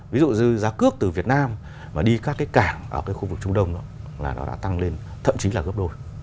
ví dụ như giá cước từ việt nam mà đi các cái cảng ở cái khu vực trung đông đó là nó đã tăng lên thậm chí là gấp đôi